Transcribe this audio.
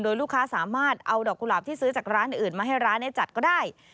โดยลูกค้าสามารถเอาดอกกุหลาบที่ซื้อจากร้านอื่นมาให้ร้านจัดก็ได้